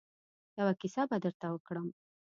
يوه کيسه به درته وکړم.